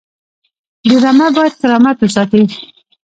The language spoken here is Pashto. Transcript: ډرامه باید کرامت وساتي